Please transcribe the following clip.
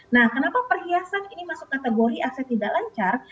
nah kenapa perhiasan ini masuk kategori aset tidak lancar